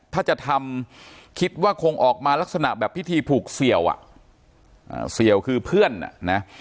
ถ้าจะทำคิดว่าคงออกมาลักษณะแบบพิธีผูกเสี่ยวอ่ะเสี่ยวคือเพื่อนอ่ะนะ